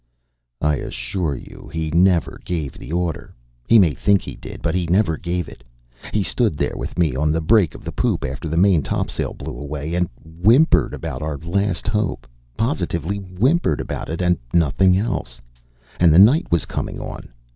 "I assure you he never gave the order. He may think he did, but he never gave it. He stood there with me on the break of the poop after the main topsail blew away, and whimpered about our last hope positively whimpered about it and nothing else and the night coming on!